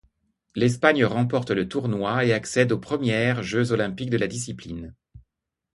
L'Espagne remporte le tournoi et accède aux premières Jeux olympiques de la discipline.